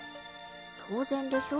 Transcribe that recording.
当然でしょ。